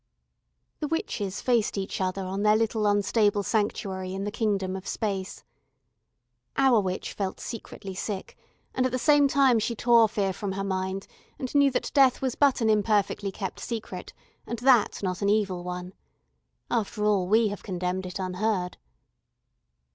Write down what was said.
The witches faced each other on their little unstable sanctuary in the kingdom of space. Our witch felt secretly sick, and at the same time she tore fear from her mind, and knew that death was but an imperfectly kept secret, and that not an evil one. After all, we have condemned it unheard.